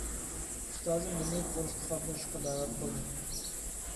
ئۇستازىم مېنى كۇرسقا قاتنىشىشقا دەۋەت قىلدى.